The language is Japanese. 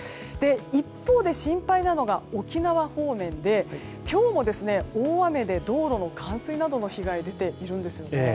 一方で心配なのが沖縄方面で今日も大雨で道路の冠水などの被害が出ているんです。